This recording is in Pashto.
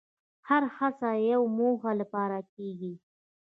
هره هڅه د یوې موخې لپاره کېږي.